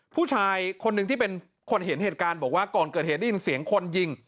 ผู้ชายคนหนึ่งที่เป็นคนเห็นเหตุการณ์บอกว่าก่อนเกิดเหตุได้ยินเสียงคนยิง